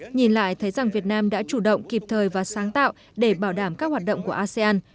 nhìn lại thấy rằng việt nam đã chủ động kịp thời và sáng tạo để bảo đảm các hoạt động của asean